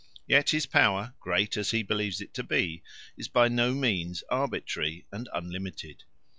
Yet his power, great as he believes it to be, is by no means arbitrary and unlimited.